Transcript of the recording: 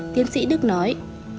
tiến sĩ đức nói